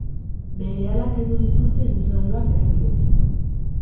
Berehala kendu dituzte ibilgailuak errepidetik.